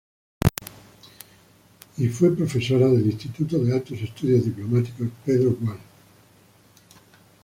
Y fue profesora del Instituto de Altos Estudios Diplomáticos "Pedro Gual".